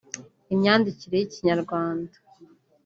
imyandikire y’ikinyarwanda